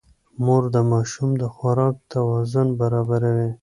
مور د ماشوم د خوراک توازن برابروي.